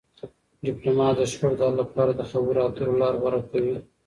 ډيپلومات د شخړو د حل لپاره د خبرو اترو لار غوره کوي.